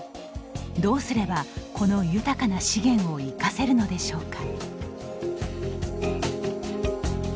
どうすれば、この豊かな資源を生かせるのでしょうか。